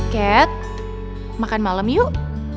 ket makan malem yuk